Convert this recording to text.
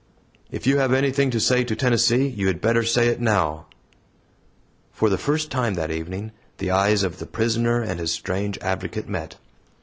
"If you have anything to say to Tennessee, you had better say it now." For the first time that evening the eyes of the prisoner and his strange advocate met.